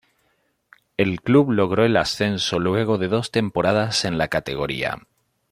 El club logró el ascenso luego de dos temporadas en la categoría.